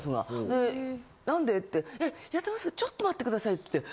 で「なんで？」って「やってますちょっと待ってください」って。